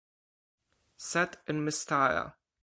Set in Mystara.